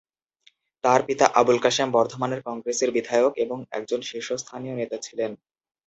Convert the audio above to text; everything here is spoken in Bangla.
তাঁর পিতা আবুল কাশেম বর্ধমানের কংগ্রেসের বিধায়ক ও একজন শীর্ষস্থানীয় নেতা ছিলেন।